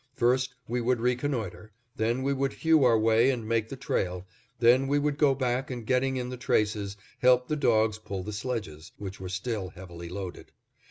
First we would reconnoiter, then we would hew our way and make the trail, then we would go back and, getting in the traces, help the dogs pull the sledges, which were still heavily loaded.